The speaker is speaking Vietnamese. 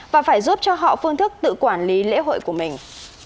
và phải giúp cho họ phương thức tự quản lý lễ hội của mình